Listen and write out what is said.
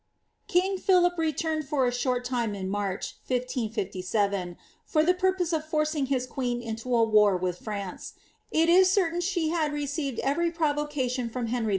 King Philip returned for a short time in March, 1557, for the purpose of forcing his queen into a war with France ; it is certain slie had re ceived every possible provocation from Henry H.